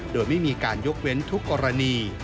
โดยไม่มีการยกเว้นทุกกรณี